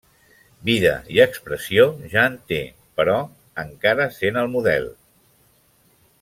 -Vida i expressió, ja en té; però encara sent el model…